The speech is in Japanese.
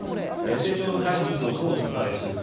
成長の果実をどう分配するか。